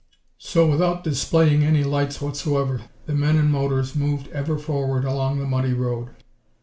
So, without displaying any lights whatsoever, the men and motors moved ever forward along the muddy road.